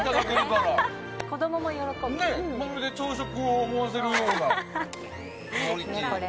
まるで朝食を思わせるようなクオリティー。